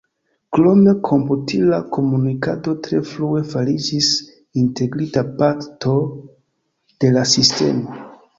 Krome komputila komunikado tre frue fariĝis integrita parto de la sistemo.